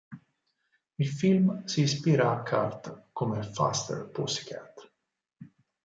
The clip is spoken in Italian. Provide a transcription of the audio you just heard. Il film si ispira a "cult" come "Faster, Pussycat!